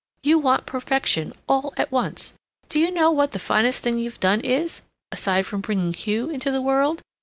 You want perfection all at once. Do you know what the finest thing you've done is aside from bringing Hugh into the world?